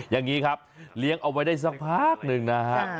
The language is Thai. อย่างนี้ครับเลี้ยงเอาไว้ได้สักพักหนึ่งนะฮะ